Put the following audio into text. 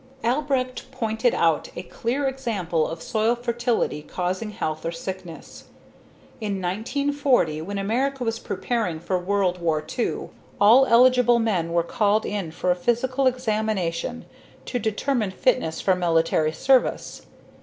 Albrecht pointed out a clear example of soil fertility causing health or sickness. In 1940, when America was preparing for World War II, all eligible men were called in for a physical examination to determine fitness for military service.